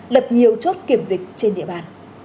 lập nhiều chốt kiểm dịch trên địa bàn